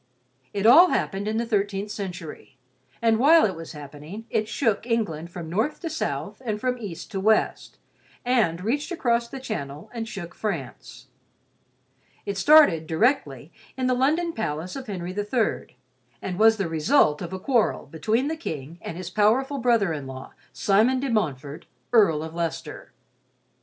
It all happened in the thirteenth century, and while it was happening, it shook England from north to south and from east to west; and reached across the channel and shook France. It started, directly, in the London palace of Henry III, and was the result of a quarrel between the King and his powerful brother in law, Simon de Montfort, Earl of Leicester.